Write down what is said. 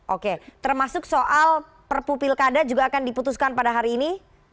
oke termasuk soal perpu pilkada juga akan diputuskan pada hari ini